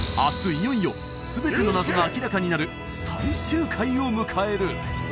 いよいよ全ての謎が明らかになる最終回を迎える！